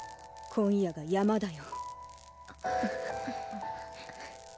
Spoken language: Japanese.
今夜が山だよ。